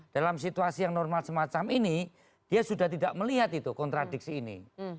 dalam situasi yang normal semacam ini dia sudah tidak melihat itu kontradiksi ini